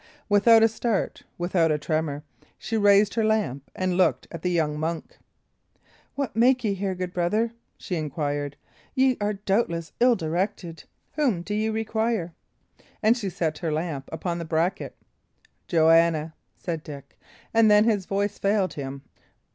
Without a start, without a tremor, she raised her lamp and looked at the young monk. "What make ye here, good brother?" she inquired. "Ye are doubtless ill directed. Whom do ye require? And she set her lamp upon the bracket. "Joanna," said Dick; and then his voice failed him.